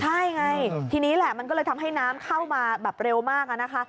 ใช่ไงทีนี้แหละมันก็เลยทำให้น้ำเข้ามาแบบเร็วมากอะนะคะ